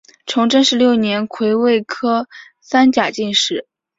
崇祯十六年癸未科三甲进士。